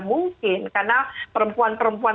mungkin karena perempuan perempuan